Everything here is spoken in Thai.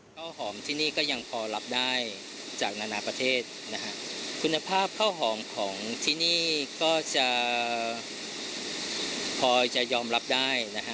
ข้าวหอมที่นี่ก็ยังพอรับได้จากนานาประเทศนะฮะคุณภาพข้าวหอมของที่นี่ก็จะพอจะยอมรับได้นะฮะ